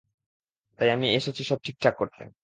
তাই, আমি এসেছি সব ঠিকঠাক করতে।